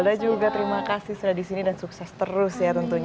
anda juga terima kasih sudah di sini dan sukses terus ya tentunya